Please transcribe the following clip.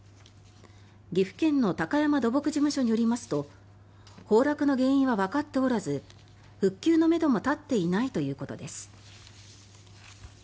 岐阜県の高山土木事務所によりますと崩落の原因はわかっておらず復旧のめども立っていないということです。